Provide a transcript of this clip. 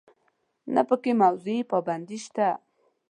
نه په کې موضوعي پابندي شته.